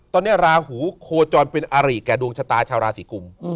ตอนนี้ราหูโคจรเป็นอาริแก่ดวงชะตาชาวราศีกุม